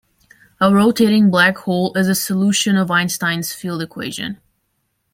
A rotating black hole is a solution of Einstein's field equation.